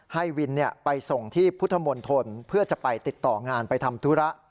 ให้วินไปส่งที่พุทธมนตรเพื่อจะไปติดต่องานไปทำธุระ